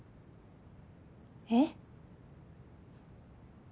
えっ？